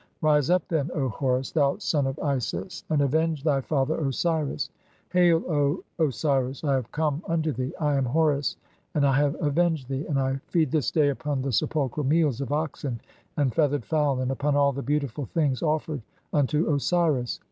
(4) Rise up, then, O Horus, thou son of "Isis, and avenge thy father Osiris. Hail, O Osiris, I have come "unto thee ; I am Horus and I have avenged thee, and I feed "this day upon the sepulchral meals of oxen, and feathered fowl, "and upon all the beautiful things [offered] unto Osiris.